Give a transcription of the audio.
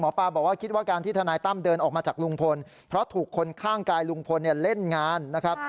ป้าบอกว่าคิดว่าการที่ทนายตั้มเดินออกมาจากลุงพลเพราะถูกคนข้างกายลุงพลเล่นงานนะครับ